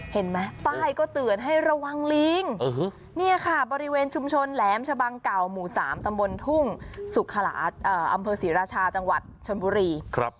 เห็นไหมป้ายก็เตือนให้ระวังลิงนี่ค่ะบริเวณชุมชนแหลมชะบังเก่าหมู่๓ตำบลทุ่งสุขลาอำเภอศรีราชาจังหวัดชนบุรี